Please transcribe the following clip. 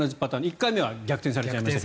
１回目は逆転されちゃいました。